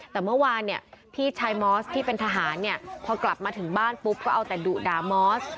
แต่เมื่อวานเนี่ยพี่ชายมอสที่เป็นทหารเนี่ยพอกลับมาถึงบ้านปุ๊บก็เอาแต่ดุด่ามอส